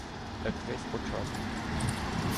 Так ви спочатку.